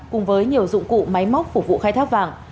cùng với nhiều dụng cụ máy móc phục vụ khai thác vàng